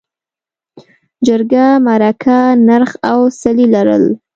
جرګه، مرکه، نرخ او څلي لرل.